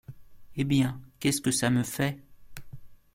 Eh bien, qu’est-ce que ça me fait ?